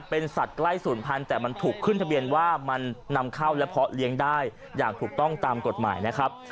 เป็นสัตว์ใกล้ศูนย์พันธุ์แต่มันถูกขึ้นทะเบียนว่ามันนำเข้าและเพาะเลี้ยงได้อย่างถูกต้องตามกฎหมายนะครับ